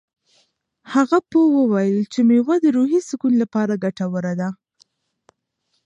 هغه پوه وویل چې مېوه د روحي سکون لپاره ګټوره ده.